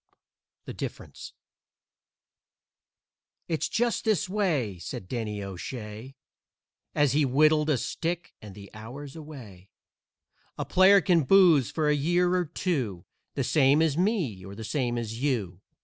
THE DIFFERENCE "It's just this way," said Danny O'Shay, As he whittled a stick and the hours away, "A player can booze for a year or two, The same as me or the same as you.